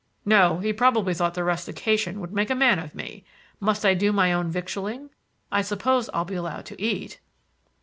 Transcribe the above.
"No, he probably thought the rustication would make a man of me. Must I do my own victualing? I suppose I'll be allowed to eat."